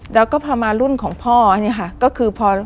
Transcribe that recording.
แล้วก็พอมารุ่นของพ่อเนี่ยค่ะก็คือพอ